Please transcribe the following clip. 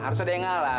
harus ada yang ngalah